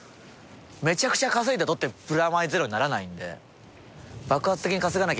めちゃくちゃ稼いで取ってプラマイゼロにならないんで。